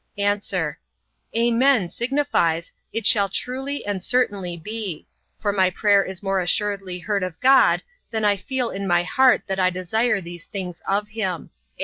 A. "Amen" signifies, it shall truly and certainly be: for my prayer is more assuredly heard of God, than I feel in my heart that I desire these things of him.